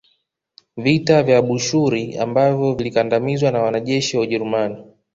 Vita vya Abushuri ambavyo vilikandamizwa na wanajeshi wa Ujerumani